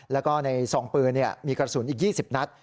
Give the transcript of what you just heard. แล้วก็ในซองปืนมีกระสุนอีก๒๐นัด